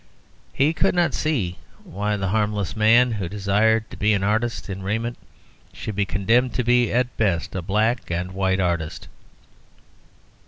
He could not see why the harmless man who desired to be an artist in raiment should be condemned to be, at best, a black and white artist.